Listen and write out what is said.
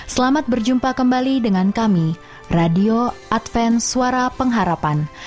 selamat berjumpa kembali dengan kami radio adven suara pengharapan